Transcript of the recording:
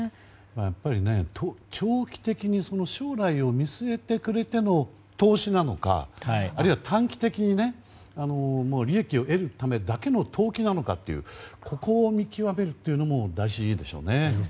長期的に将来を見据えてくれての投資なのか、あるいは短期的に利益を得るためだけの投機なのかというここを見極めるというのも大事ですよね。